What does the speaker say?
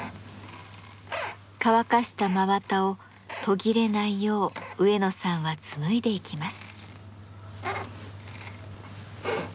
乾かした真綿を途切れないよう植野さんは紡いでいきます。